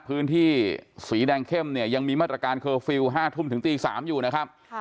พื้นที่สีแดงเข้มเนี่ยยังมีมาตรการเคอร์ฟิลล์๕ทุ่มถึงตี๓อยู่นะครับ